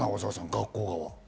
学校側。